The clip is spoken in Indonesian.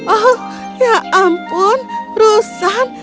oh ya ampun rusen